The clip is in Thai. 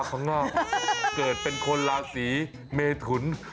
ตอนหน้าเกิดเป็นคนลาสีเมธุน